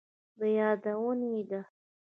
د يادونې ده،